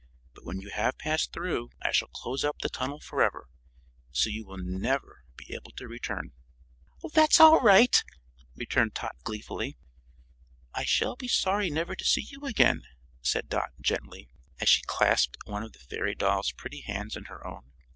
But when you have passed through I shall close up the tunnel forever, so you will never be able to return." "That's all right," returned Tot, gleefully. "I shall be sorry never to see you again," said Dot, gently, as she clasped one of the fairy doll's pretty hands in her own.